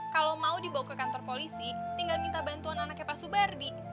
kalau mau dibawa ke kantor polisi tinggal minta bantuan anaknya pak subardi